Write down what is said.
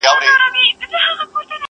نه خيام سته د توبو د ماتولو!